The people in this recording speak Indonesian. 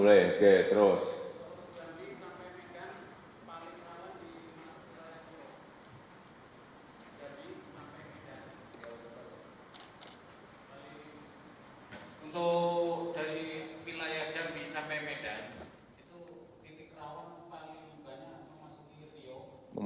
pondos lebar dari pekan